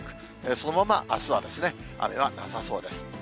そのままあすは雨はなさそうです。